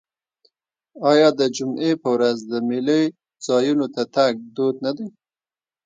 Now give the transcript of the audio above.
آیا د جمعې په ورځ د میلو ځایونو ته تګ دود نه دی؟